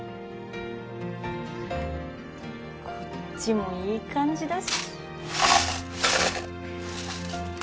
こっちもいい感じだし。